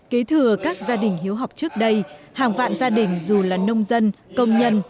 kế thừa các gia đình hiếu học trước đây hàng vạn gia đình dù là nông dân công nhân